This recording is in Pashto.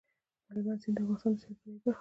هلمند سیند د افغانستان د سیلګرۍ برخه ده.